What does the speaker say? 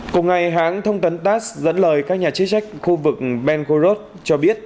cùng ngày hãng thông tấn tass dẫn lời các nhà chức trách khu vực benkhorod cho biết